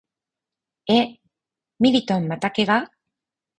え、ミリトンまた怪我？